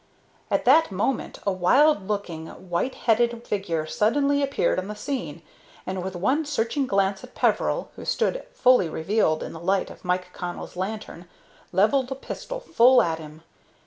At that moment a wild looking, white headed figure suddenly appeared on the scene, and, with one searching glance at Peveril, who stood fully revealed in the light of Mike Connell's lantern, levelled a pistol full at him.